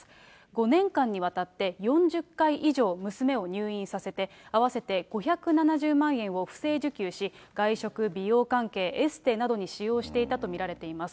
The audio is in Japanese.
５年間にわたって、４０回以上、娘を入院させて、合わせて５７０万円を不正受給し、外食、美容関係、エステなどに使用していたと見られています。